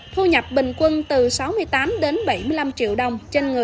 thu nhập bình quân từ sáu mươi tám đến bảy mươi năm triệu đồng